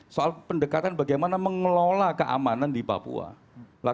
soal pendekatan bagaimana mengelola keamanan di papua